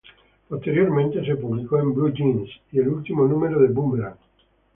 Posteriormente se publicó en "Blue Jeans" y el último número de "Bumerang".